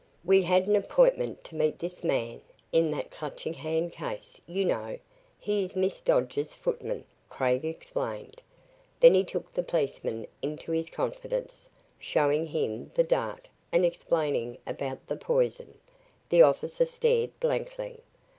"We had an appointment to meet this man in that Clutching Hand case, you know. He is Miss Dodge's footman," Craig explained. Then he took the policeman into his confidence, showing him the dart and explaining about the poison. The officer stared blankly.